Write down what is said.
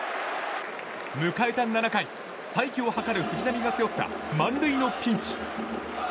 迎えた７回再起を図る藤浪が背負った満塁のピンチ。